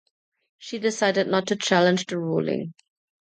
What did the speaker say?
She decided not to challenge the ruling.